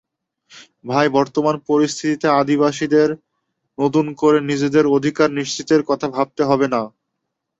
তাই বর্তমান পরিস্থিতিতে আদিবাসীদের নতুন করে নিজেদের অধিকার নিশ্চিতের কথা ভাবতে হবে।